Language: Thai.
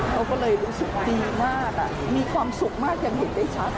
เขาก็เลยรู้สึกดีมากมีความสุขมากยังเห็นได้ชัด